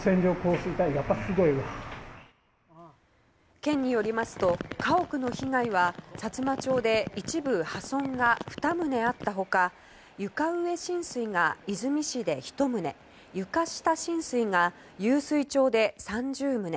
県によりますと家屋の被害はさつま町で一部破損が２棟あった他床上浸水が出水市で１棟床下浸水が湧水町で３０棟